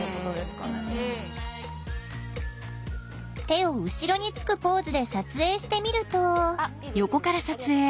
手を後ろにつくポーズで撮影してみると。